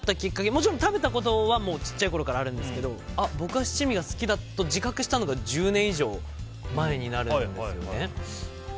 もちろん食べたことはちっちゃいころからあるんですけど僕は七味が好きだと自覚したのが１０年以上前になるんですね。